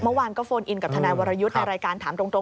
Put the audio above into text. เมื่อวานก็โฟนอินกับทนายวรยุทธ์ในรายการถามตรง